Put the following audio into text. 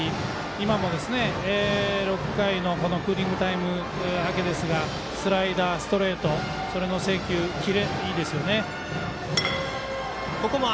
今も６回のクーリングタイム明けですがスライダー、ストレート制球、キレがいいです。